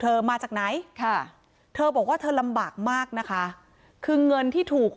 มาจากไหนค่ะเธอบอกว่าเธอลำบากมากนะคะคือเงินที่ถูก